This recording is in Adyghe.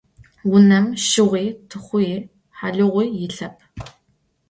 Vunem şığui, txhui, halığui yilhep.